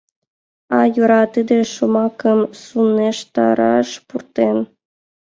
А, йӧра, тиде шомакым сылнештараш пуртен.